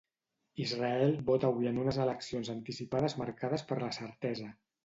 Israel vota avui en unes eleccions anticipades marcades per la certesa.